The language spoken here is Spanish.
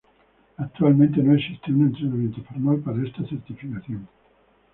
Actualmente no existe un entrenamiento formal para esta certificación.